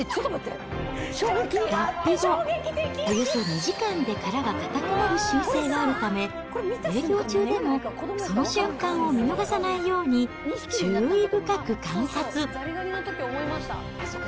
脱皮後、およそ２時間で殻が硬くなる習性があるため、営業中でもその瞬間を見逃さないように、注意深く観察。